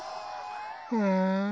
ふん。